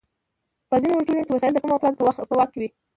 په ځینو ټولنو کې وسایل د کمو افرادو په واک کې وي.